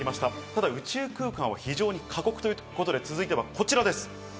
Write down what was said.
ただ宇宙空間は過酷ということで、続いてはこちらです。